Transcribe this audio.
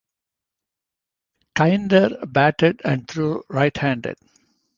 Kinder batted and threw right-handed.